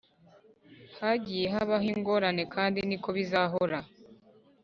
Hagiye habaho ingorane kandi ni ko bizahora .